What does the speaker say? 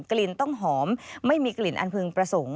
กลิ่นต้องหอมไม่มีกลิ่นอันพึงประสงค์